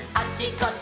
こっち！